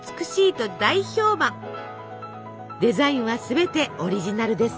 デザインはすべてオリジナルです。